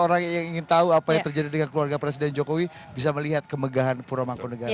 orang yang ingin tahu apa yang terjadi dengan keluarga presiden jokowi bisa melihat kemegahan pura mangkunegara